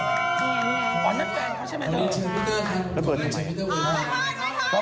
แล้วเปิดทำไมอ๋อไม่เปิดไม่เปิด